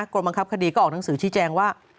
กรมบังคับคดีก็ออกหนังสือชี้แจงว่า